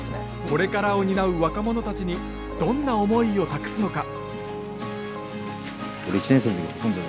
これからを担う若者たちにどんな思いを託すのか。